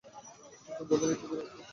কিন্তু বধূর এ কী পরিবর্তন।